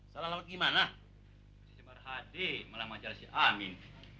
malah mengajar si amin